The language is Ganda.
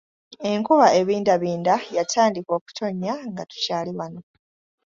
Enkuba ebindabinda yantandika okutonnya nga tukyali wano.